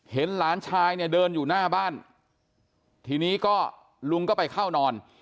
เห็นหลานชายเนี่ยเดินอยู่หน้าบ้านทีนี้ก็ลุงก็ไปเข้านอน